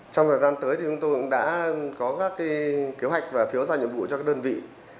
trong thời gian tới thì chúng tôi cũng đã có các cái kế hoạch và thiếu do nhiệm vụ cho các đơn vị